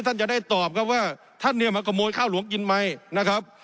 ท่านจะได้ตอบครับว่าท่านเนี่ยมาขโมยข้าวหลวงกินไหมนะครับ